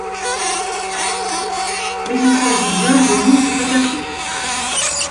Mais il s'agit bien de nouilles de patates douces.